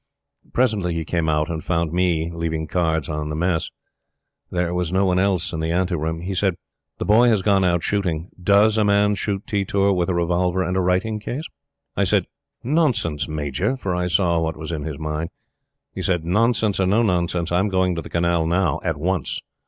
Presently he came out and found me leaving cards on the Mess. There was no one else in the ante room. He said: "The Boy has gone out shooting. DOES a man shoot tetur with a revolver and a writing case?" I said: "Nonsense, Major!" for I saw what was in his mind. He said: "Nonsense or nonsense, I'm going to the Canal now at once.